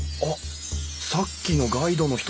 さっきのガイドの人だ！